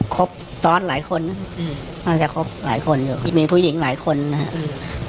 ครบซ้อนหลายคนอืมน่าจะครบหลายคนอยู่มีผู้หญิงหลายคนนะครับ